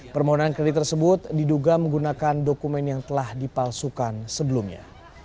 permohonan kredit tersebut diduga menggunakan dokumen yang telah dipalsukan sebelumnya